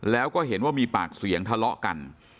แล้วก็เห็นว่ามีปากเสียงทะเลาะกัน